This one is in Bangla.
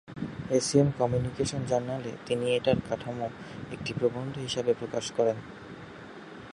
এ সি এম কমিউনিকেশন জার্নালে তিনি এটার কাঠামো একটা প্রবন্ধ হিসাবে প্রকাশ করেন।